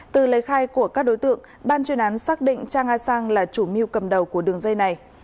từ lời khai của các đối tượng ban chuyên án xác định trang a sang là chủ mưu cầm đầu của đường dây này